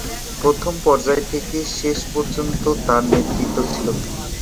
প্রথম পর্যায় থেকে শেষ পর্যন্ত তার নেতৃত্ব ছিল।